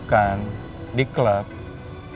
video yang beredar kamu mabok mabokan